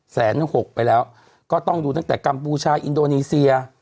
หกไปแล้วก็ต้องดูตั้งแต่กัมพูชาอินโดนีเซีย